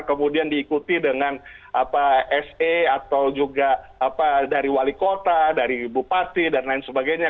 kemudian diikuti dengan se atau juga dari wali kota dari bupati dan lain sebagainya